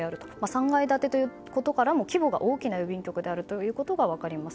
３階建てということからも規模が大きな郵便局であることが分かります。